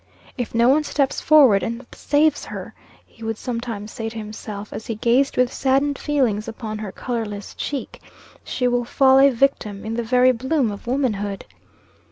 "If no one steps forward and saves her," he would sometimes say to himself, as he gazed with saddened feelings upon her colorless cheek, "she will fall a victim in the very bloom of womanhood."